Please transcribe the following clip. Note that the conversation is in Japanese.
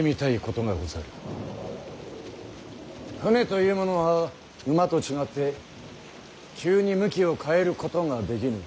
舟というものは馬と違って急に向きを変えることができぬ。